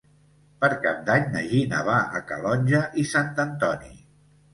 Per Cap d'Any na Gina va a Calonge i Sant Antoni.